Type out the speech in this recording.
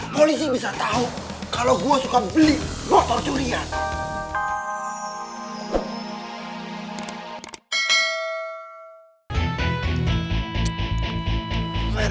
polisi bisa tau kalo gue suka beli motor curian